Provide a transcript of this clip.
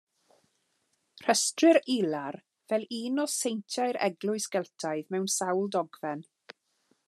Rhestrir Ilar fel un o seintiau'r Eglwys Geltaidd mewn sawl dogfen.